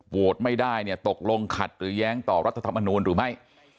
โหวตไม่ได้เนี่ยตกลงขัดหรือแย้งต่อรัฐธรรมนูลหรือไม่